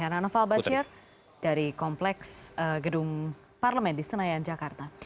harna nofal bacir dari kompleks gedung parlemen di senayan jakarta